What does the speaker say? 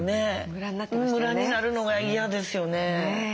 ムラになるのが嫌ですよね。